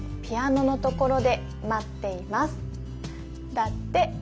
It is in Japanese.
だって。